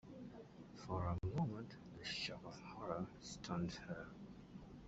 For a moment the shock of horror stunned her.